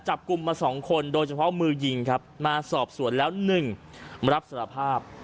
จับกลุ่มมา๒คนโดยเฉพาะมือยิงครับมาสอบสวนแล้ว๑รับสารภาพ